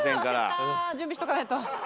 準備しとかないと。